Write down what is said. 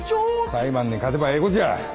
裁判に勝てばええことや。